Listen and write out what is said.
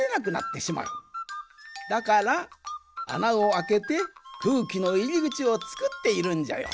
だからあなをあけてくうきのいりぐちをつくっているんじゃよ。